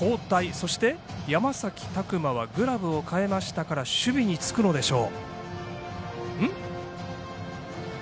そして山崎琢磨はグラブを換えましたから守備につくのでしょう。